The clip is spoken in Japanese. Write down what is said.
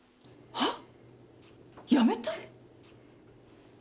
はっ？